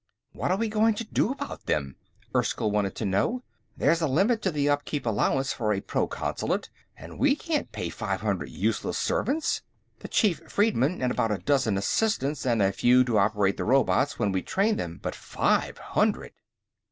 "What are we going to do about them?" Erskyll wanted to know. "There's a limit to the upkeep allowance for a proconsulate, and we can't pay five hundred useless servants. The chief freedman, and about a dozen assistants, and a few to operate the robots, when we train them, but five hundred...!"